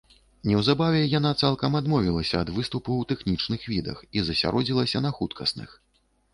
Неўзабаве, яна цалкам адмовілася ад выступу ў тэхнічных відах і засяродзілася на хуткасных.